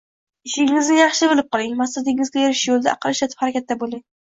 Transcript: Ishinigizni yaxshi bilib qiling, maqsadingizga erishish yo’lida aql ishlatib harakatda bo’ling